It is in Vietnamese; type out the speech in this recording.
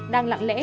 đang lặng lẽ